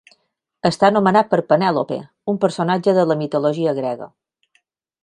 Està anomenat per Penèlope, un personatge de la mitologia grega.